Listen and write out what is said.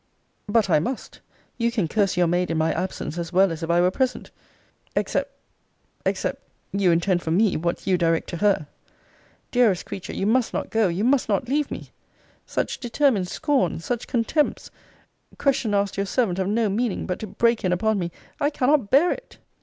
But I must you can curse your maid in my absence, as well as if I were present Except except you intend for me, what you direct to her. Dearest creature, you must not go you must not leave me Such determined scorn! such contempts! Questions asked your servant of no meaning but to break in upon me I cannot bear it!